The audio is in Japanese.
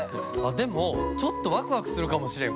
でも、ちょっとワクワクするかもしれん。